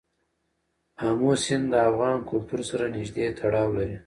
آمو سیند د افغان کلتور سره نږدې تړاو لري.